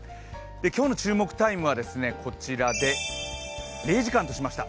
今日の注目タイムはこちらで０時間としました。